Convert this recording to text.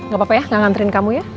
gak apa apa ya gak ngantriin kamu ya